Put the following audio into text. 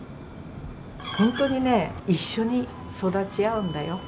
本当にね、一緒に育ち合うんだよ。